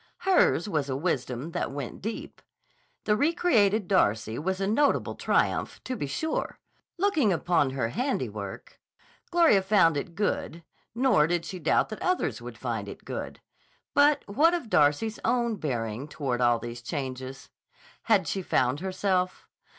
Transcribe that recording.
Hers was a wisdom that went deep. The re created Darcy was a notable triumph, to be sure; looking upon her handiwork, Gloria found it good, nor did she doubt that others would find it good. But what of Darcy's own bearing toward all these changes? Had she found herself?